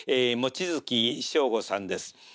望月省吾さんです。